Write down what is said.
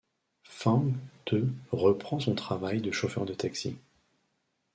Feng De reprend son travail de chauffeur de taxi.